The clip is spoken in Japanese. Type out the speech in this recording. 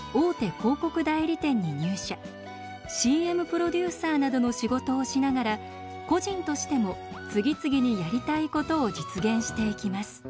ＣＭプロデューサーなどの仕事をしながら個人としても次々にやりたいことを実現していきます。